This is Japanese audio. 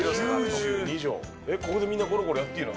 ここでみんな、ごろごろやっていいの？